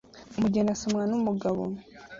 Umugeni asomwa numugabo